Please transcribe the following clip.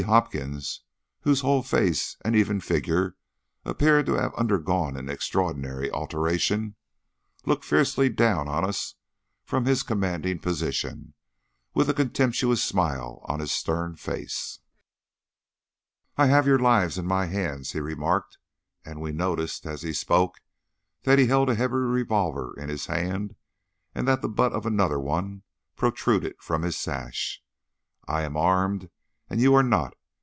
Hopkins, whose whole face and even figure appeared to have undergone an extraordinary alteration, looked fiercely down on us from his commanding position, with a contemptuous smile on his stern face. "I have your lives in my hands," he remarked; and we noticed as he spoke that he held a heavy revolver in his hand, and that the butt of another one protruded from his sash. "I am armed and you are not.